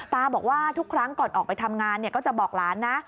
บอกว่าทุกครั้งก่อนออกไปทำงานก็จะบอกหลานนะ